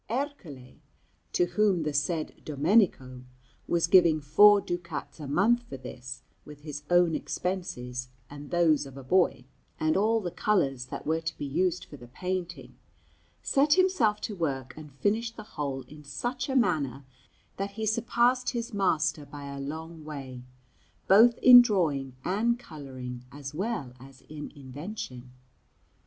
Ercole, to whom the said Domenico was giving four ducats a month for this, with his own expenses and those of a boy, and all the colours that were to be used for the painting, set himself to work and finished the whole in such a manner, that he surpassed his master by a long way both in drawing and colouring as well as in invention.